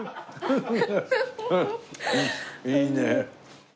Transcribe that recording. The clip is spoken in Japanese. いいね。